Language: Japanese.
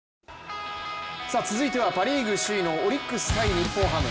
続いてはパリーグ首位のオリックス×日本ハム。